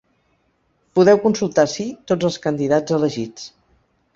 Podeu consultar ací tots els candidats elegits.